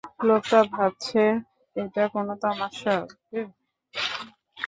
লোকটা ভাবছে এটা কোনো তামাশা, ওকে?